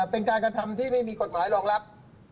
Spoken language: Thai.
เป็นการกระทำที่ไม่มีกฎหมายรองรับ